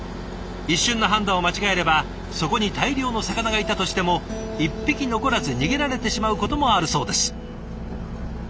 一瞬の判断を間違えればそこに大量の魚がいたとしても一匹残らず逃げられてしまうこともあるそうです。